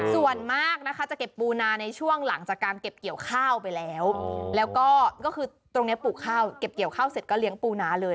ส่วนมากนะคะจะเก็บปูนาในช่วงหลังจากการเก็บเกี่ยวข้าวไปแล้วแล้วก็คือตรงนี้ปลูกข้าวเก็บเกี่ยวข้าวเสร็จก็เลี้ยงปูนาเลย